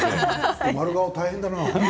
丸顔は大変だな。